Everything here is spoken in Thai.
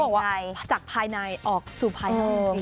บอกว่าจากภายในออกสู่ภายนอกจริง